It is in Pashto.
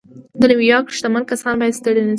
د نيويارک شتمن کسان بايد ستړي نه شي.